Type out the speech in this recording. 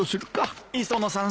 磯野さん